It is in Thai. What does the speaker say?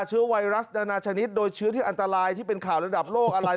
เชื้อไวรัสนานาชนิดโดยเชื้อที่อันตรายที่เป็นข่าวระดับโลกอะไร